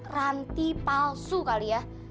ranti palsu kali ya